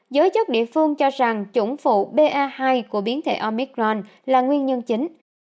giới chức địa phương cho rằng chủng phụ ba hai của biến thể omicron là nguyên nhân chính